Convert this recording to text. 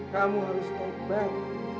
kamu harus tolak pak